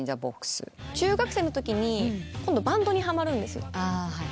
中学生のときに今度バンドにはまるんですよ。